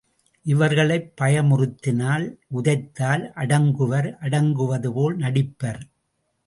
இவர்களைப் பயமுறுத்தினால், உதைத்தால் அடங்குவர் அடங்குவது போல நடிப்பர்.